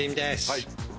はい。